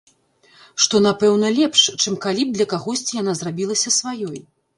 Што, напэўна, лепш, чым калі б для кагосьці яна зрабілася сваёй.